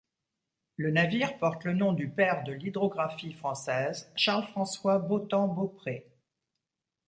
Le navire porte le nom du père de l’hydrographie française Charles-François Beautemps-Beaupré.